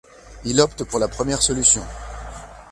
Il opte pour la première solution.